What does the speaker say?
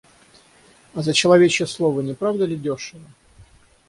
За человечье слово — не правда ли, дешево?